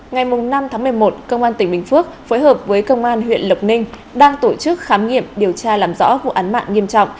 ngày năm tháng một mươi một công an tỉnh bình phước phối hợp với công an huyện lộc ninh đang tổ chức khám nghiệm điều tra làm rõ vụ án mạng nghiêm trọng